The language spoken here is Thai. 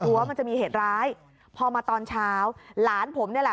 ว่ามันจะมีเหตุร้ายพอมาตอนเช้าหลานผมนี่แหละ